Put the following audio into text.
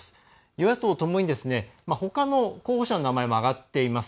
与野党ともにほかの候補者の名前も挙がっています。